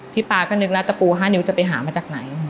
ป๊าก็นึกแล้วตะปู๕นิ้วจะไปหามาจากไหน